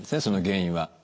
その原因は。